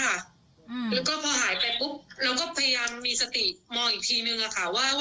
ใช่แล้วคือเหมือนกับแบบอย่างนี้แล้วเจ้าสู้สู้หายไปอ่ะค่ะ